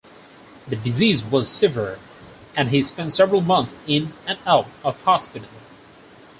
The disease was severe and he spent several months in and out of hospital.